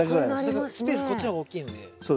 スペースこっちの方が大きいので。